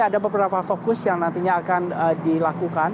ada beberapa fokus yang nantinya akan dilakukan